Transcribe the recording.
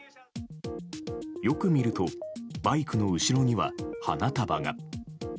よく見るとバイクの後ろには花束が。